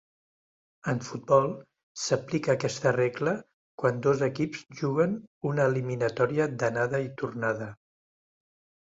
En futbol, s'aplica aquesta regla quan dos equips juguen una eliminatòria d'anada i tornada.